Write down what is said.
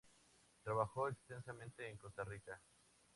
Trabajó extensamente en Costa Rica